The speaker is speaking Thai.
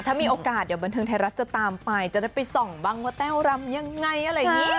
ถ้ามีโอกาสเดี๋ยวบันเทิงไทยรัฐจะตามไปจะได้ไปส่องบ้างว่าแต้วรำยังไงอะไรอย่างนี้